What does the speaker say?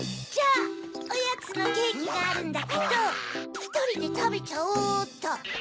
じゃあおやつのケーキがあるんだけどひとりでたべちゃおっと！